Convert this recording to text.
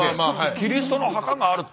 キリストの墓があるって。